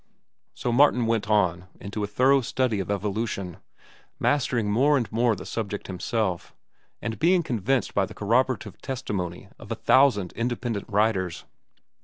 So Martin went on into a thorough study of evolution, mastering more and more the subject himself, and being convinced by the corroborative testimony of a thousand independent writers.